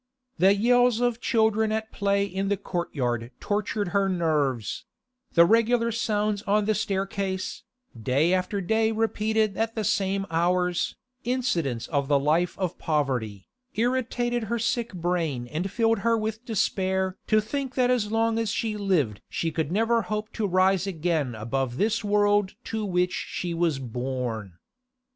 The yells of children at play in the courtyard tortured her nerves; the regular sounds on the staircase, day after day repeated at the same hours, incidents of the life of poverty, irritated her sick brain and filled her with despair to think that as long as she lived she could never hope to rise again above this world to which she was born.